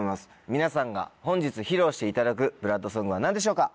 皆さんが本日披露していただくＢＬＯＯＤＳＯＮＧは何でしょうか？